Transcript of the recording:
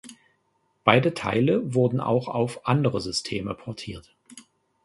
Beide Teile wurden auch auf andere Systeme portiert.